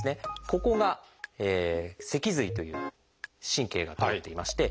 ここが脊髄という神経が通っていまして